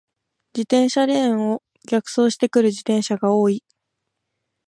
自転車レーンを逆走してくる自転車が多い。